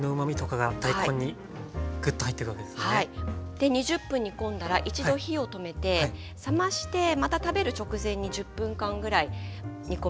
で２０分煮込んだら一度火を止めて冷ましてまた食べる直前に１０分間ぐらい煮込むと更に味がしみておいしくなります。